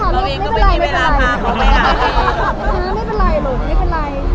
เราก็น่ารีบไป